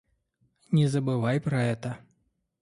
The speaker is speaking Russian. Не забывай про это.